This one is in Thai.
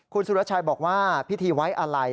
คุณสุรชัยบอกว่าพิธีไว้อะไร